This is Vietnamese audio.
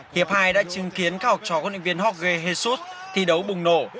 hiệp hai đã chứng kiến các học trò quân luyện viên jorge jesus thi đấu bùng nổ